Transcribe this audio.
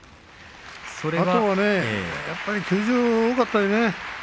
それで、やっぱり休場が多かったよね。